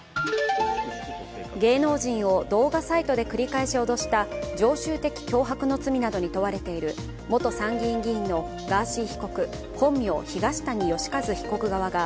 芸能人を動画サイトで繰り返し脅した常習的脅迫の罪などに問われている元参議院議員のガーシー被告、本名・東谷義和被告側が